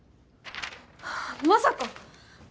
まさか！